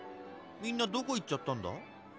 みんなどこ行っちゃったんだ？